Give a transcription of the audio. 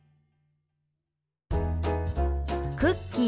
「クッキー」。